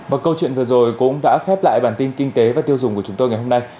và câu chuyện vừa rồi cũng đã khép lại bản tin kinh tế và tiêu dùng của chúng tôi ngày hôm nay